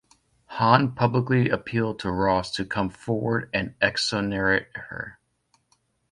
Han publicly appealed to Ross to come forward and exonerate her.